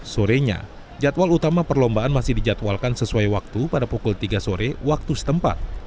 sorenya jadwal utama perlombaan masih dijadwalkan sesuai waktu pada pukul tiga sore waktu setempat